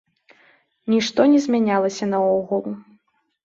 Нішто не змянялася наогул.